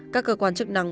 các cơ quan chức năng